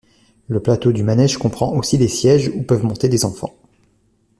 Le plateau du manège comprend aussi des sièges où peuvent monter des enfants.